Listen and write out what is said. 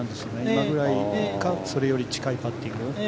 今ぐらいかそれより近いパッティング。